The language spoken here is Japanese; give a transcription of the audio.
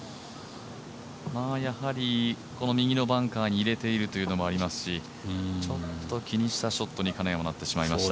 この右のバンカーに入れているというのもありますしちょっと気にしたショットに金谷もなってしまいました。